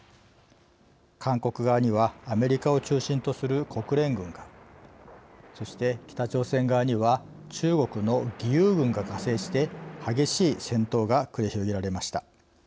韓国側にはアメリカを中心とする国連軍がそして北朝鮮側には中国の義勇軍が加勢して激しい戦闘が繰り広げられました。